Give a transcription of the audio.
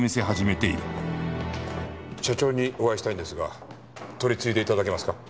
社長にお会いしたいのですが取り次いで頂けますか。